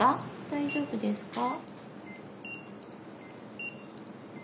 大丈夫ですか？